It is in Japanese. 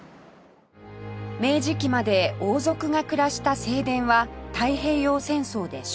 明治期まで王族が暮らした正殿は太平洋戦争で焼失